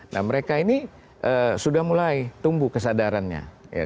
nah mereka ini sudah mulai tumbuh kesadarannya